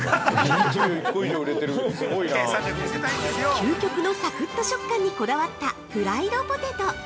◆究極のサクッと食感にこだわったプライドポテト！